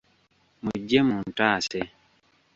Mujje muntaase!